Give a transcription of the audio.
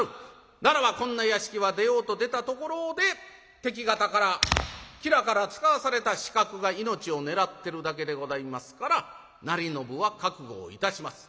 ならばこんな屋敷は出ようと出たところで敵方から吉良から遣わされた刺客が命を狙ってるだけでございますから成信は覚悟をいたします。